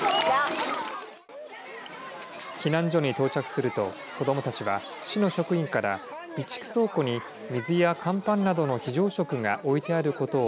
避難所に到着すると子どもたちは市の職員から備蓄倉庫に水や乾パンなどの非常食が置いてあることを